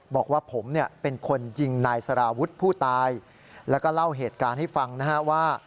บอกว่าผมเนี่ยเป็นคนยิงนายสารวุฒิผู้ตายแล้วก็เล่าเหตุการณ์ให้ฟังนะฮะว่า